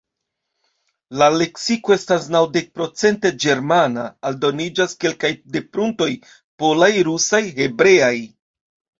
La leksiko estas naŭdekprocente ĝermana; aldoniĝas kelkaj depruntoj polaj, rusaj, hebreaj.